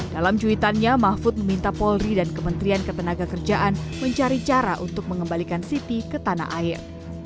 dalam cuitannya mahfud meminta polri dan kementerian ketenaga kerjaan mencari cara untuk mengembalikan siti ke tanah air